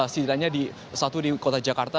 setidaknya di satu di kota jakarta